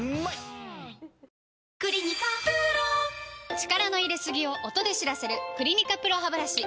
力の入れすぎを音で知らせる「クリニカＰＲＯハブラシ」